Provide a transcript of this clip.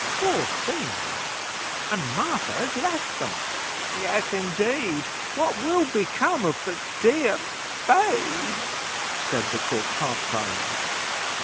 "Poor things! and Martha has left them." "Yes, indeed; what will become of the dear babes?" said the cook, half crying.